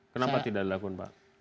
kenapa tidak dilakukan pak